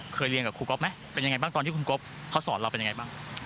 เรียนกับครูก๊อฟไหมเป็นยังไงบ้างตอนที่คุณก๊อฟเขาสอนเราเป็นยังไงบ้าง